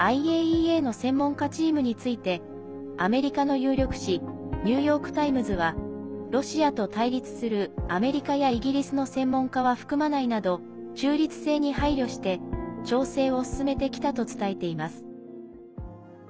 ＩＡＥＡの専門家チームについてアメリカの有力紙ニューヨーク・タイムズはロシアと対立するアメリカやイギリスの専門家は含まないなど中立性に配慮して調整を進めてきたと伝えています。